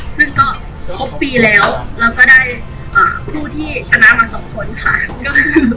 ซึ่งก็ครบปีแล้วเราก็ได้ผู้ที่ชนะมาสองคนค่ะก็คือ